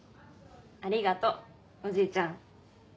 ありがとおじいちゃん。